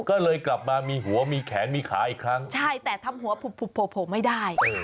ก็เลยกลับมามีหัวมีแขนมีขาอีกครั้งใช่แต่ทำหัวโผล่ไม่ได้